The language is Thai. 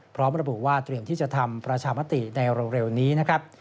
พร้อมระบุว่าเตรียมที่จะทำประชามติในเร็วนี้นะครับ